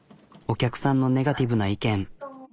お客さんのネガティブな意見。